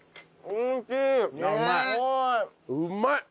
うまい！